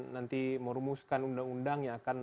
nanti merumuskan undang undang yang akan